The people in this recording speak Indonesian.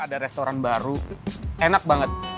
ada restoran baru enak banget